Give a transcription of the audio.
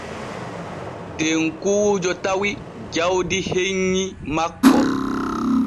Tekkuujo tawi jawdi hennyi makko.